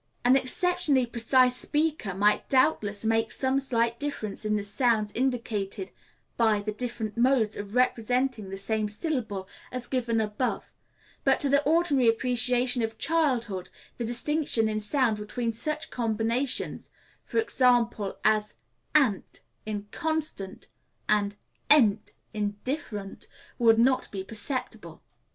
An exceptionally precise speaker might doubtless make some slight difference in the sounds indicated by the different modes of representing the same syllable as given above; but to the ordinary appreciation of childhood the distinction in sound between such combinations, for example, as a n t in constant and e n t in different would not be perceptible.